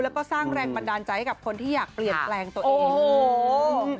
แล้วก็สร้างแรงบันดาลใจให้กับคนที่อยากเปลี่ยนแปลงตัวเอง